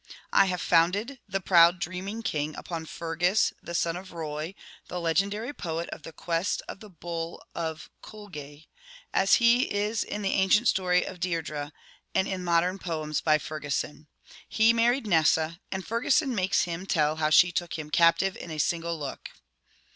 I have founded * the proud dreaming king ' upon Fergus, the son of Roigh, the legendary poet of * the quest of the bull of Cualge,' as he is in the ancient story of Deirdre, and in modern poems by Ferguson. He married Nessa, and Ferguson makes him tell how she took him * captive in a single look.